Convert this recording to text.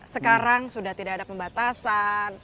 sekarang sudah tidak ada pembatasan